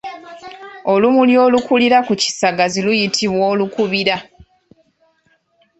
Olumuli olukalira ku kisagazi luyitibwa Olukuubiira.